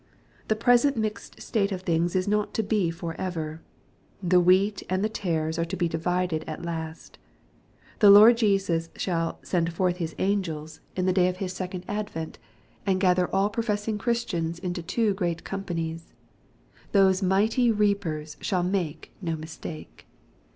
The present mixed state of things is not to be for ever. The wheat and the tares are to be divided at last. The Lord Jesus shall " send forth his angels'" in the day of MATTHEW, CHAP. XIH. 149 His jiecond advent, and gather all professing ChriBtians Into two great companies. Those mighty reapers shall make no mistake.